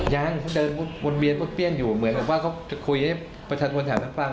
ยังเขาเดินวนเวียนวัดเต้นอยู่เหมือนว่าจะคุยกระจกบัดพอร์ชกับเภรีนรอบฉันฟังว่าเขาเป็นฝ่าย